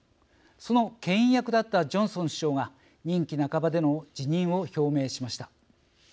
そのけん引役だったジョンソン首相が任期半ばでの辞任を表明しました。